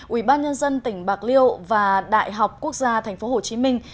ủy ban nhân dân tỉnh bạc liêu và đại học quốc gia tp hồ chí minh